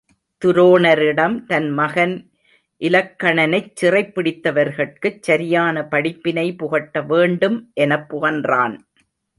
துரோணரிடம் தன் மகன் இலக்கணனைச் சிறைப் பிடித்தவர்கட்குச் சரியான படிப்பினை புகட்டவேண்டும் எனப் புகன்றான்.